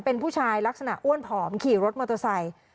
เป็นผู้ชายลักษณะอ้วนผอมขี่รถมอเตอร์ไซค์